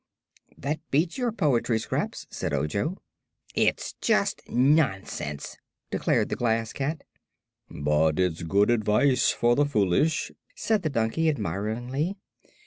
"That beats your poetry, Scraps," said Ojo. "It's just nonsense!" declared the Glass Cat. "But it's good advice for the foolish," said the donkey, admiringly.